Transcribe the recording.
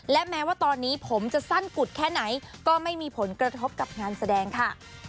และแม้ว่าตอนนี้ผมจะสั้นกุดแค่ไหนก็ไม่มีผลกระทบกับงานแสดงค่ะ